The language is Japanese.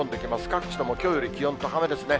各地ともきょうより気温高めですね。